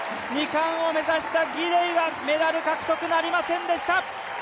２冠を目指したギデイはメダル獲得なりませんでした。